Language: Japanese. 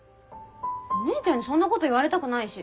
お姉ちゃんにそんなこと言われたくないし。